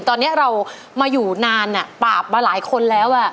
ตอนนี้เรามาอยู่นานปราบมาหลายคนแล้ว